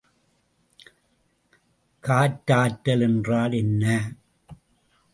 காற்றாற்றல் என்றால் என்ன?